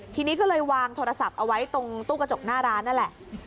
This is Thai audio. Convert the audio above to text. ทีนี้ก็เลยวางโทรศัพท์เอาไว้ตรงตู้กระจกหน้าร้านนั่นแหละ